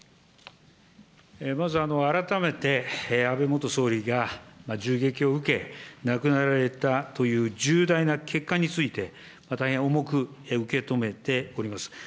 まず、改めて、安倍元総理が銃撃を受け、亡くなられたという重大な結果について、大変重く受け止めております。